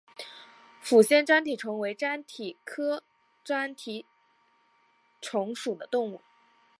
抚仙粘体虫为粘体科粘体虫属的动物。